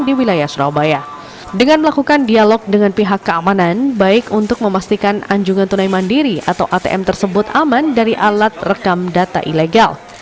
di wilayah surabaya dengan melakukan dialog dengan pihak keamanan baik untuk memastikan anjungan tunai mandiri atau atm tersebut aman dari alat rekam data ilegal